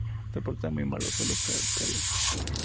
Soporta muy mal los suelos calcáreos.